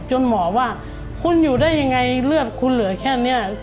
หมอว่าคุณอยู่ได้ยังไงเลือดคุณเหลือแค่นี้